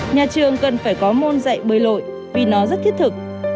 nhà trường cần phải có môn dạy bơi lội vì nó rất thiết thực